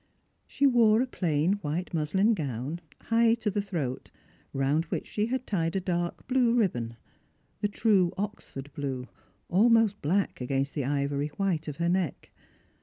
She wore a plain white muslin gown, high to the throat, round which she had tied a dark blua ribbon — the true Oxford blue, almost black against the ivory white of her neck.